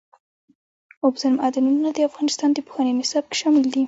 اوبزین معدنونه د افغانستان د پوهنې نصاب کې شامل دي.